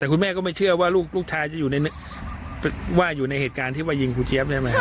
แต่คุณแม่ก็ไม่เชื่อว่าลูกชายจะว่าอยู่ในเหตุการณ์ที่ว่ายิงครูเจี๊ยบใช่ไหม